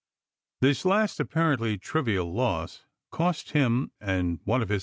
This last apparently trivial loss cost him and one of his Vol.